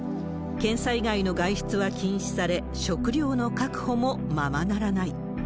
検査以外の外出は禁止され、食料の確保もままならない。